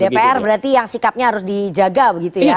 dpr berarti yang sikapnya harus dijaga begitu ya